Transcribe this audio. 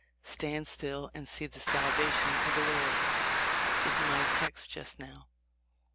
'Stand still and see the salvation of the Lord,' is my text just now.